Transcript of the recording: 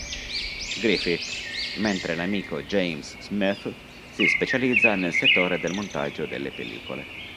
Griffith, mentre l'amico James Smith si specializza nel settore del montaggio delle pellicole.